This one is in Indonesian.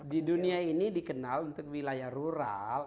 di dunia ini dikenal untuk wilayah rural